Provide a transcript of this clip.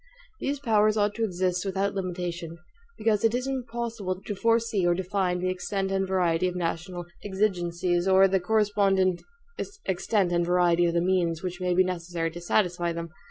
These powers ought to exist without limitation, BECAUSE IT IS IMPOSSIBLE TO FORESEE OR DEFINE THE EXTENT AND VARIETY OF NATIONAL EXIGENCIES, OR THE CORRESPONDENT EXTENT AND VARIETY OF THE MEANS WHICH MAY BE NECESSARY TO SATISFY THEM.